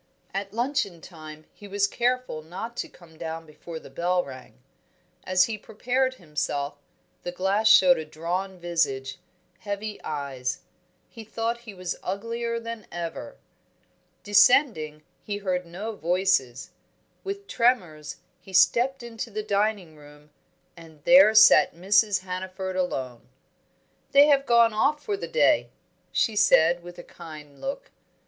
At luncheon time he was careful not to come down before the bell rang. As he prepared himself, the glass showed a drawn visage, heavy eyes; he thought he was uglier than ever. Descending, he heard no voices. With tremors he stepped into the dining room, and there sat Mrs. Hannaford alone. "They have gone off for the day," she said, with a kind look.